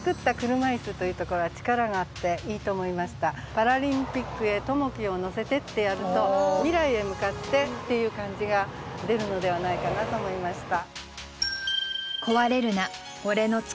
「パラリンピックへ朋樹を乗せて」ってやると未来へ向かってっていう感じが出るのではないかなと思いました。